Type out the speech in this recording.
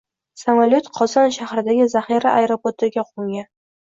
Samolyot Qozon shahridagi zaxira aeroportiga qo‘ngan